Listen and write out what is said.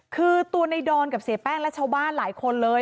คือตัวในดอนกับเสียแป้งและชาวบ้านหลายคนเลย